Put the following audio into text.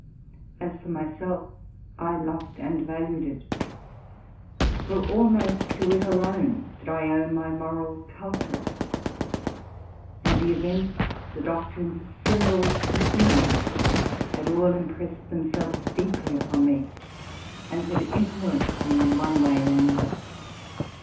As for myself, I loved and valued it; for almost to ix 228 TRUTH AND FICTION alone did I owe my moral culture: and the events, the doc trines, the symbols, the similes, had all impressed themselves deeply upon me, and had influenced me in one way or an other.